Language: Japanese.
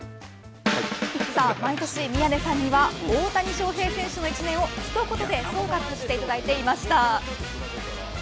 毎年、宮根さんには大谷翔平選手の１年を一言で総括していただいていました。